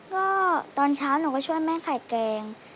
ก็ตอนเช้าหนูก็ช่วยแม่ขายแกง